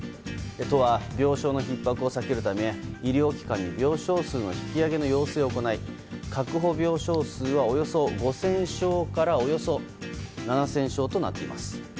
都は病床のひっ迫を避けるため医療機関に病床数の引き上げの要請を行い確保病床数はおよそ５０００床からおよそ７０００床となっています。